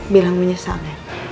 bilang menyesal ya